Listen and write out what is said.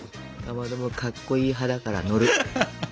かまどもかっこいい派だから乗る。